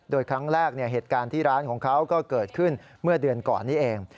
โดยครั้งแรกเหตุการณ์ที่ร้านของเขาก็เกิดขึ้นเมื่อเดือนก่อนนี้เอง